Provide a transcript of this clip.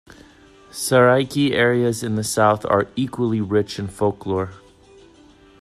Saraiki areas in the south are equally rich in folklore.